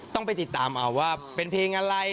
ต้องไปติดตามเอาว่าเป็นเพลงอะไร